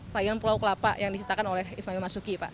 lagian pulau kelapa yang dititahkan oleh ismail marzuki